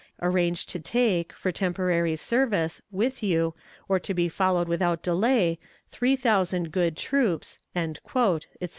Arrange to take, for temporary service, with you, or to be followed without delay, three thousand good troops," etc.